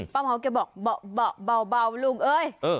ป้าเม้าเกี่ยวบอกเบาลูกเอ้ย